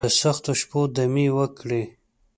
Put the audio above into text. دسختو شپو، دمې وکړي